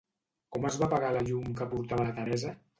Com es va apagar la llum que portava la Teresa?